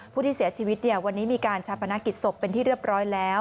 ผู้ที่เสียชีวิตวันนี้มีการชาปนกิจศพเป็นที่เรียบร้อยแล้ว